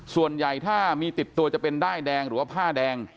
ส่วนใหญ่ถ้ามีติดตัวจะเป็นด้ายแดงหรือว่าผ้าแดง